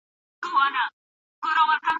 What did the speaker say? د سياسي پوهې پرته د ټولنې سمه اداره کول ناشوني دي.